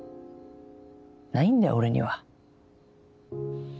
ないんだよ俺には。